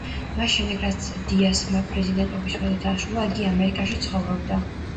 მას შემდეგ, რაც დიასმა პრეზიდენტობის ვადა დაასრულა იგი ამერიკაში ცხოვრობდა.